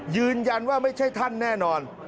ยืนยันว่าไม่ใช่ท่านแน่นอน